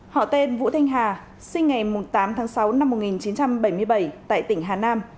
họ tên vũ thanh hà sinh ngày tám tháng sáu năm một nghìn chín trăm bảy mươi bảy tại tỉnh hà nam